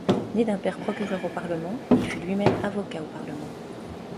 Né d'un père procureur au Parlement, il fut lui-même avocat au parlement.